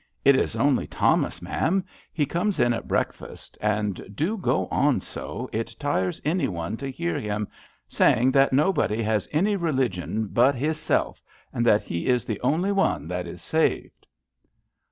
It is only Thomas, Ma*am. He comes in at breakfast, and do go on so, it tires anyone to hear him, saying that nobody has any religion but hisself, and that he is the only one that is saved."